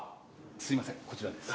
すいませんこちらです。